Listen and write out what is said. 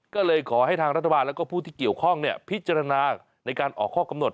ก็เลยขอให้ทางรัฐบาลและผู้ที่เกี่ยวข้องพิจารณาในการออกข้อกำหนด